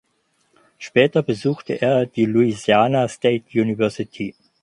Später besuchte er die Louisiana State University.